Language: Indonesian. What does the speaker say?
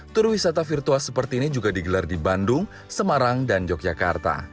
tur wisata virtual seperti ini juga digelar di bandung semarang dan yogyakarta